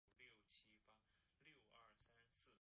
波蒂尼。